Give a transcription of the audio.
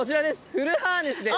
フルハーネスです。